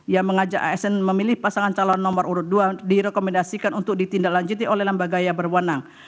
yang mengajak asn memilih pasangan calon nomor urut dua direkomendasikan untuk ditindaklanjuti oleh lembaga yang berwenang